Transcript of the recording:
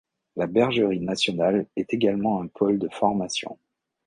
La Bergerie nationale est également un pôle de formation.